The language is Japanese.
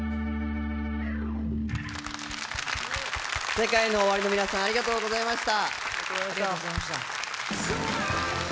ＳＥＫＡＩＮＯＯＷＡＲＩの皆さんありがとうございました。